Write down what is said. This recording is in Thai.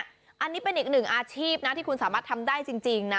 อันนี้เป็นอีกหนึ่งอาชีพนะที่คุณสามารถทำได้จริงนะ